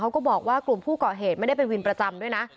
ก็บอกว่ากลุ่มผู้ก่อเหตุไม่ได้เป็นวินประจำด้วยนะ